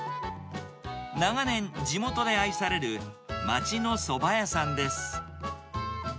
長年、地元で愛される町のそば屋さんです。